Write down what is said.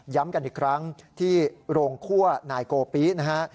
กันอีกครั้งที่โรงคั่วนายโกปินะฮะ